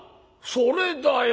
それだよ。